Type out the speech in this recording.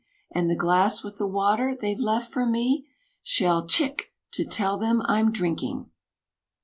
And the glass with the water they've left for me Shall 'tchick!' to tell them I'm drinking!"